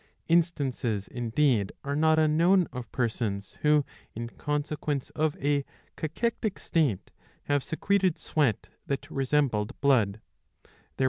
Instances, indeed, are not unknown of persons who in consequence of a cachectic state have secreted sweat that resembled blood,^ their 668 b.